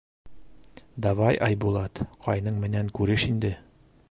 — Давай, Айбулат, ҡайның менән күреш инде.